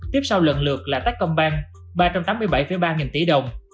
tiếp sau lần lượt là tech công ban ba trăm tám mươi bảy ba nghìn tỷ đồng